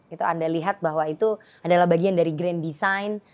itu anda lihat bahwa itu adalah bagian dari grand design